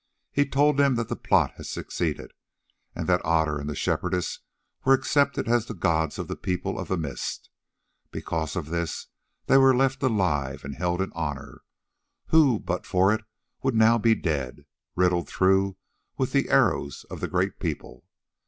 He told them that the plot had succeeded, and that Otter and the Shepherdess were accepted as the gods of the People of the Mist. Because of this they were left alive and held in honour, who, but for it, would now be dead, riddled through with the arrows of the Great People.